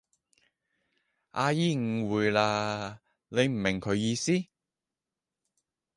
阿姨誤會喇，你唔明佢意思？